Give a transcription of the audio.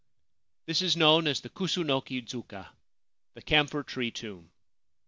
This is known as the Kusunoki Dzuka (The Camphor Tree Tomb).